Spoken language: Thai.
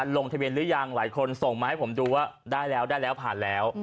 ลงทะเบียนหรือยังหลายคนส่งมาให้ผมดูว่าได้แล้วได้แล้วผ่านแล้ว